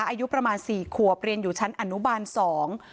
อายุประมาณสี่ขวบเรียนอยู่ชั้นอนุบาลสอง